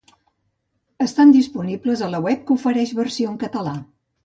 Estan disponibles a la web que ofereix versió en català.